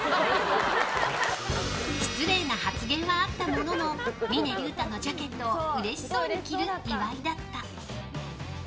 失礼な発言はあったものの峰竜太のジャケットをうれしそうに着る岩井だった。